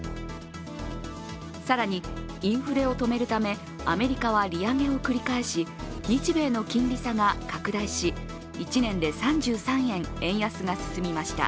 更に、インフレを止めるためアメリカは利上げを繰り返し日米の金利差が拡大し１年で３３円、円安が進みました。